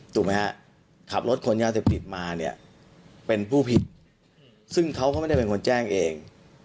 ถูกไหมฮะขับรถขนยาเสพติดมาเนี่ยเป็นผู้ผิดซึ่งเขาก็ไม่ได้เป็นคนแจ้งเอง